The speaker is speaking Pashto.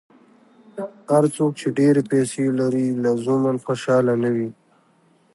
هر څوک چې ډېرې پیسې لري، لزوماً خوشاله نه وي.